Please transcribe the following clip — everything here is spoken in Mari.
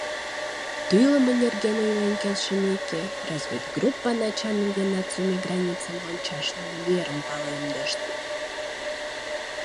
Тӱлымӧ нерген ойлен келшымеке, разведгруппа начальник ден Нацуме границым вончашлан верым палемдышт.